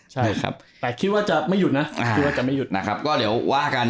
ใช่ครับแต่คิดว่าจะไม่หยุดนะคิดว่าจะไม่หยุดนะครับก็เดี๋ยวว่ากัน